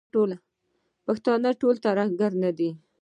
پښتانه ټول ترهګر نه دي.